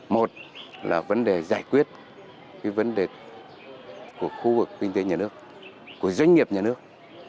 một là vấn đề giải quyết cái vấn đề của khu vực kinh tế nhà nước của doanh nghiệp nhà nước